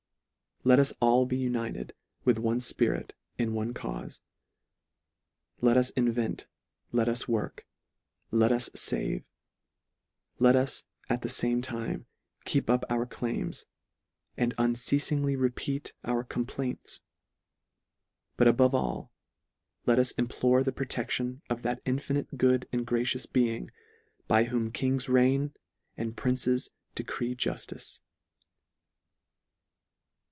Let us all be united with one fpirit in one caufe. Let us invent ; let us work ; let us fave ; let us at the fame time, keep up our claims, and uncealingly repeat our complaints ; but above all, let us implore the protection of that infinite good and gracious Being, "by "whom kings reign and princes decree "juftice."